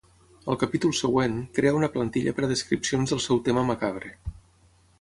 Al capítol següent, crea una plantilla per a descripcions del seu tema macabre.